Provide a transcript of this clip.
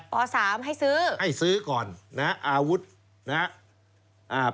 ปสามให้ซื้อให้ซื้อก่อนนะฮะอาวุธนะครับ